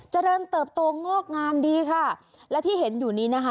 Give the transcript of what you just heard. เจริญเติบโตงอกงามดีค่ะและที่เห็นอยู่นี้นะคะ